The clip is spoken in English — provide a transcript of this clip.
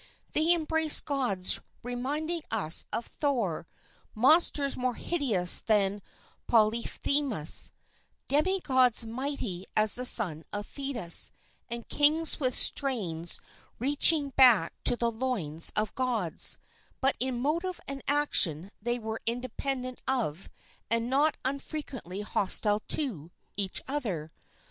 They embrace gods reminding us of Thor, monsters more hideous than Polyphemus, demi gods mighty as the son of Thetis, and kings with strains reaching back to the loins of gods; but in motive and action they were independent of, and not unfrequently hostile to, each other.